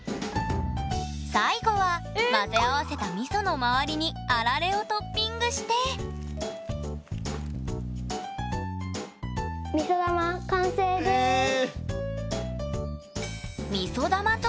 最後は混ぜ合わせたみその周りにあられをトッピングしてえ！